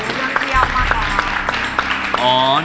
เทียบมากครับ